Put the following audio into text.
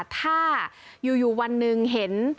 ถ้าอยู่วันหนึ่งเห็น